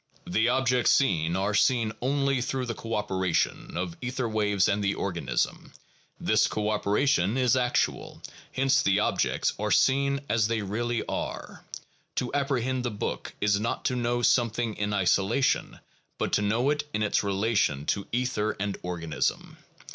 1 The objects seen are seen only through the cooperation of ether waves and the organism; this cooperation is actual, hence the objects are seen as they really are. To apprehend the book is not to know something in isolation, but to know it in its relation to ether and organism.